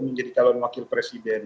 menjadi calon wakil presiden